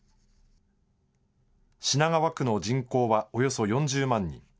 品川区の人口はおよそ４０万人。